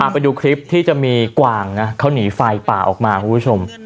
ไปดูคลิปที่จะมีกวางนะเขาหนีไฟป่าออกมาคุณผู้ชม